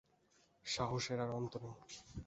–সাহসের আর অন্ত নেই!